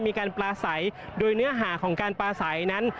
มีการปลาใสโดยเนื้อหาของการปลาใสนั้น